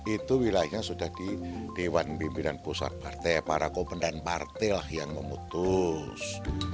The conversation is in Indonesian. itu wilayahnya sudah di dewan pimpinan pusat partai para kompendan partai lah yang memutus